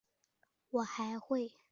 我还会是像现在一样